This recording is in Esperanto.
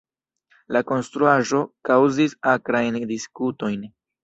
La konstruaĵo kaŭzis akrajn diskutojn.